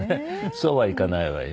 そうはいかないわよ。